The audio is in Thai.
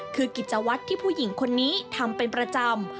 คือกิจวัตรที่ผู้หญิงคนนี้ทำเป็นประจำ